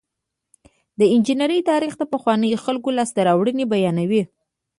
د انجنیری تاریخ د پخوانیو خلکو لاسته راوړنې بیانوي.